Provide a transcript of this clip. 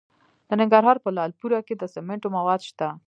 د ننګرهار په لعل پورې کې د سمنټو مواد شته.